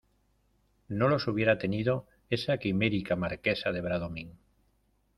no los hubiera tenido esa quimérica Marquesa de Bradomín.